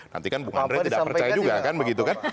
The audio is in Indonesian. nanti kan bung andre tidak percaya juga kan begitu kan